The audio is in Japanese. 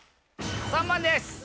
３番です！